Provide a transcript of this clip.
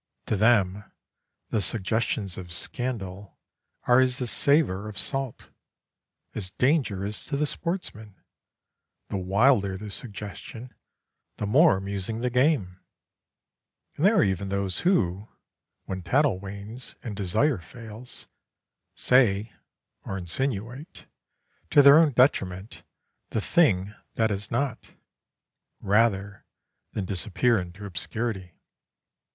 To them the suggestions of scandal are as the savour of salt, as danger is to the sportsman; the wilder the suggestion, the more amusing the game; and there are even those who, when tattle wanes and desire fails, say or insinuate, to their own detriment, the thing that is not, rather than disappear into obscurity.